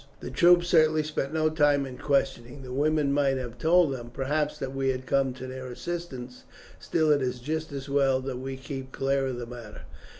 The troops certainly spent no time in questioning; the women might have told them, perhaps, that we had come to their assistance; still it is just as well that we keep clear of the matter."